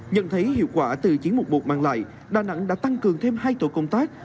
nhận thấy hiệu quả từ chiến mục một mang lại đà nẵng đã tăng cường thêm hai tổ công tác